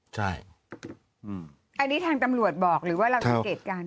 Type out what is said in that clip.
ใช่อันนี้ทางตำรวจบอกหรือว่าเราสังเกตการณ์